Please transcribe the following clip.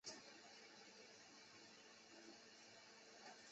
白色微细粉末。